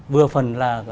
vừa phần là